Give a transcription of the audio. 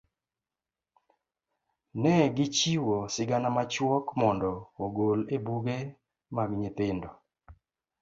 ne gichiwo sigana machuok mondo ogol e buge mag nyithindo.